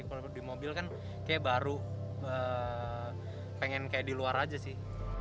kalau di mobil kan kayak baru pengen kayak di luar aja sih